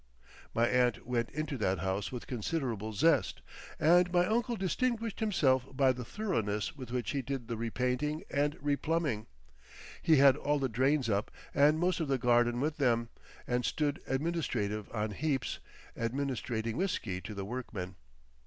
My aunt went into that house with considerable zest, and my uncle distinguished himself by the thoroughness with which he did the repainting and replumbing. He had all the drains up and most of the garden with them, and stood administrative on heaps—administrating whisky to the workmen.